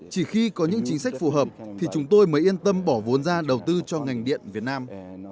chỉ khi có những chính sách phù hợp thì chúng tôi mới yên tâm bỏ vốn ra đầu tư cho ngành điện việt nam